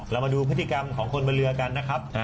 เรามาดูพฤติกรรมของคนบนเรือกันนะครับ